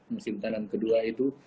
musim tanam kedua itu